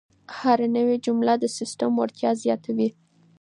هره نوې جمله د سیسټم وړتیا زیاتوي.